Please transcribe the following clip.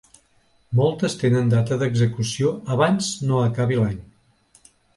Moltes tenen data d’execució abans no acabi l’any.